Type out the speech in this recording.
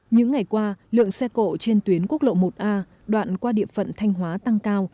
những ngày qua lượng xe cộ trên tuyến quốc lộ một a đoạn qua địa phận thanh hóa tăng cao